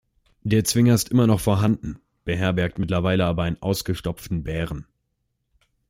Der Zwinger ist immer noch vorhanden, beherbergt mittlerweile aber einen ausgestopften Bären.